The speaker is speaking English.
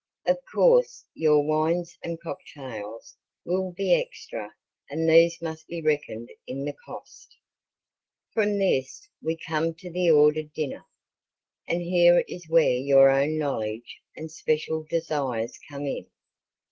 Of course your wines and cocktails will be extra and these must be reckoned in the cost. From this we come to the ordered dinner, and here is where your own knowledge and special desires come in.